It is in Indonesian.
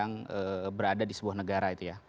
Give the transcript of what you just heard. punya tiga kekuasaan yang berada di sebuah negara itu ya